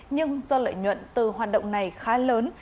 nhưng do lợi nhuận từ hoạt động này khá lớn